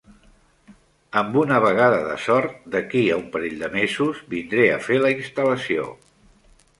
Amb una vegada de sort, d'aquí a un parell de mesos vindré a fer la instal·lació.